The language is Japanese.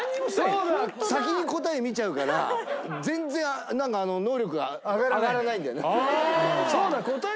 先に答えを見ちゃうから全然能力が上がらないんだよね。